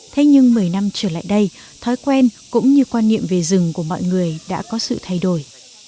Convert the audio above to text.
thế nhưng một mươi năm trở lại đây thói quen cũng như quan niệm về rừng của mọi người đã có sự thay đổi